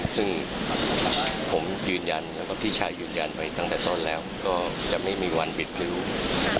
ซึ่งผมยืนยันแล้วก็พี่ชายยืนยันไว้ตั้งแต่ต้นแล้วก็จะไม่มีวันบิดพริ้ว